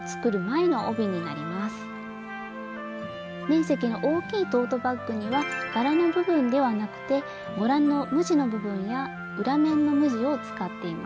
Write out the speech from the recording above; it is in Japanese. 面積の大きいトートバッグには柄の部分ではなくてご覧の無地の部分や裏面の無地を使っています。